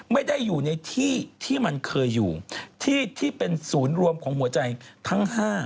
ไม่ได้อยู่ในที่ที่มันเคยอยู่ที่เป็นศูนย์รวมของหัวใจทั้ง๕